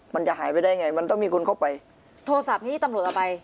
มันจะหายไปได้ไงมันต้องมีคนเข้าไปโทรศัพท์นี้ตำรวจเอาไป